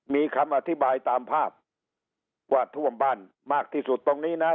มีคำอธิบายตามภาพว่าท่วมบ้านมากที่สุดตรงนี้นะ